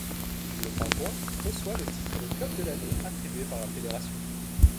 Le Pingouin reçoit le titre de club de l'année attribué par la Fédération.